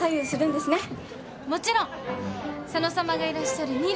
もちろん佐野さまがいらっしゃる二寮に。